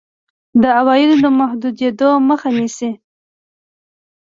د عوایدو د محدودېدو مخه نیسي.